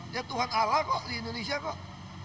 ya tuhan ala kok di indonesia kok